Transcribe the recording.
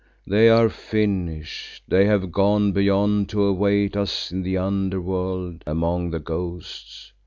They are finished; they have gone beyond to await us in the Under world among the ghosts.